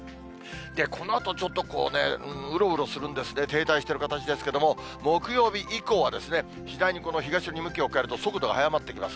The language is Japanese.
このあと、ちょっとうろうろするんですね、停滞している形ですけれども、木曜日以降は次第に東寄りに向きを変えると、速度が速まってきます。